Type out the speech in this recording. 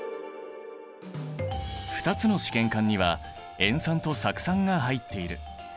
２つの試験管には塩酸と酢酸が入っている。